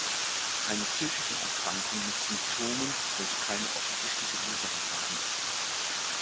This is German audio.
Eine psychische Erkrankung mit Symptomen, welche keine offensichtliche Ursache haben.